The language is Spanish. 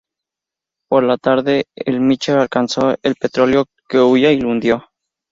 Por la tarde, el "Michel" alcanzó al petrolero que huía y lo hundió.